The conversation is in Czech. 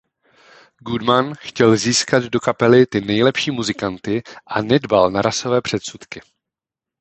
Goodman chtěl získat do kapely ty nejlepší muzikanty a nedbal na rasové předsudky.